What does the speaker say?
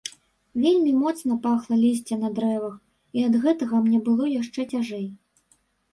Вельмі моцна пахла лісце на дрэвах, і ад гэтага мне было яшчэ цяжэй.